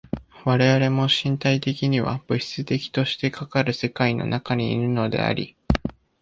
我々も身体的には物質的としてかかる世界の中にいるのであり、